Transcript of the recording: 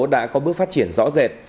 đã có bước phát triển rõ rệt